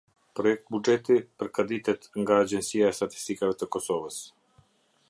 Projektbuxheti përgatitet nga Agjencia e Statistikave të Kosovës.